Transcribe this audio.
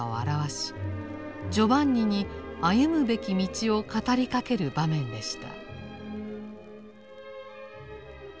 ジョバンニに歩むべき道を語りかける場面でした。